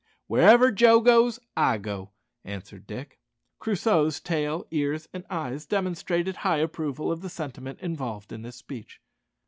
"Wherever Joe goes, I go," answered Dick. Crusoe's tail, ears, and eyes demonstrated high approval of the sentiment involved in this speech.